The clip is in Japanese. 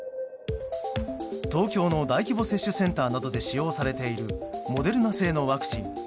東京の大規模接種センターなどで使用されているモデルナ製のワクチン。